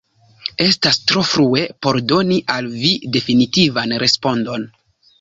Estas tro frue por doni al vi definitivan respondon.